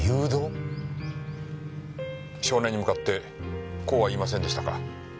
少年に向かってこうは言いませんでしたか？